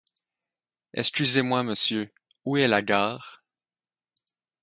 Excusez-moi monsieur, où est la gare ?